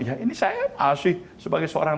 ya ini saya masih sebagai seorang